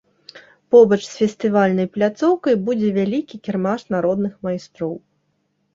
Побач з фестывальнай пляцоўкай будзе вялікі кірмаш народных майстроў.